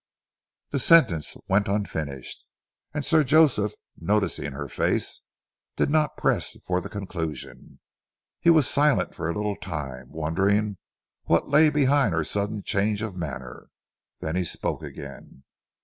The sentence went unfinished, and Sir Joseph, noticing her face, did not press for the conclusion. He was silent for a little time, wondering what lay behind her sudden change of manner. Then he spoke again.